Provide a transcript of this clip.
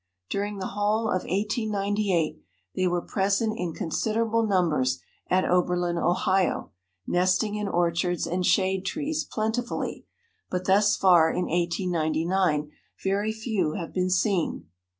During the whole of 1898 they were present in considerable numbers at Oberlin, Ohio, nesting in orchards and shade trees plentifully, but thus far in 1899 very few have been seen.